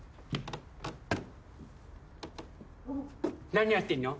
何やってんの？